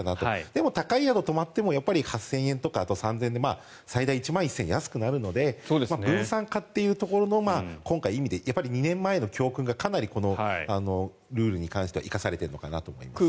でも高い宿に泊まっても８０００円とか最大１万１０００円安くなるので分散化というところの今回、意味で言えば２年前の教訓がかなりルールに関しては生かされているのかなと思います。